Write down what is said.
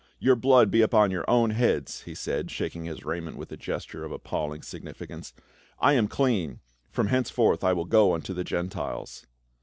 "Your blood be upon your own heads," he said, shaking his raiment with a gesture of appalling sig nificance. " I am clean : from henceforth I will go unto the Gentiles."